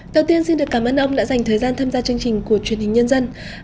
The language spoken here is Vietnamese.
đầu tiên xin được cảm ơn ông đã dành thời gian tham gia chương trình của truyền hình nhân dân